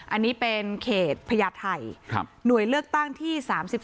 อันนี้เป็นเขตพญาไทยหน่วยเลือกตั้งที่๓๔